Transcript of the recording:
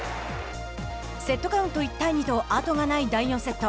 セットカウント１対２と後がない第４セット。